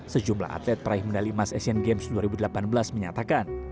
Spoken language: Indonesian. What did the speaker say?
sejumlah atlet peraih medali emas asian games dua ribu delapan belas menyatakan